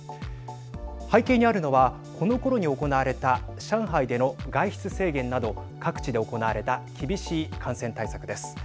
背景にあるのはこのころに行われた上海での外出制限など各地で行われた厳しい感染対策です。